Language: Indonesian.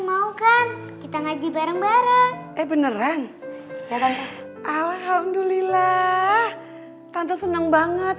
mau kan kita ngaji bareng bareng eh beneran ya tante alhamdulillah tante senang banget